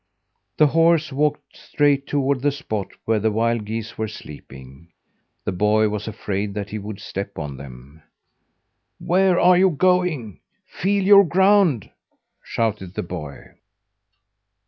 The horse walked straight toward the spot where the wild geese were sleeping. The boy was afraid that he would step on them. "Where are you going? Feel your ground!" shouted the boy.